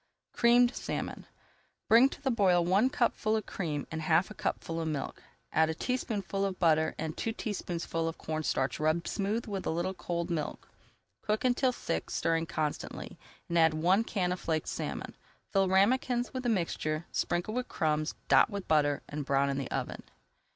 CREAMED SALMON Bring to the boil one cupful of cream and half a cupful of milk. Add a teaspoonful of butter and two teaspoonfuls of corn starch rubbed smooth with a little cold milk. Cook until thick, stirring constantly, and add one can of flaked salmon. Fill ramekins with the mixture, sprinkle with crumbs, dot with butter, and brown in the oven.